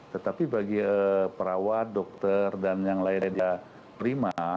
tetapi bagi perawat dokter dan yang lainnya dia terima